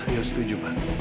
ya setuju pak